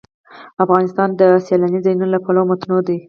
افغانستان د سیلانی ځایونه له پلوه متنوع دی.